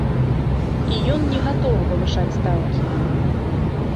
І ён не гатовы павышаць стаўкі.